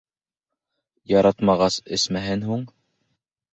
— Яратмағас, эсмәһен һуң.